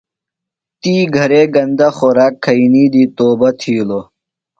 تی گھرے گندہ خوراک کھئینی دی توبہ تِھیلوۡ۔